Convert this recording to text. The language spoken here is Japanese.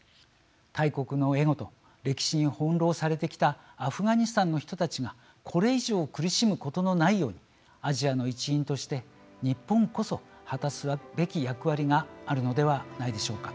大国のエゴと歴史に翻弄されてきたアフガニスタンの人たちがこれ以上苦しむことのないようにアジアの一員として日本こそ果たすべき役割があるのではないでしょうか。